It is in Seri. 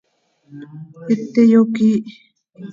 Iti yoquiih.